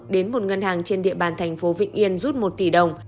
đến một ngân hàng trên địa bàn thành phố vĩnh yên rút một tỷ đồng